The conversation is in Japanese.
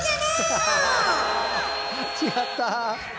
違った！